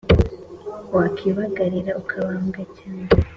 Wakibagarira ukababwa cyane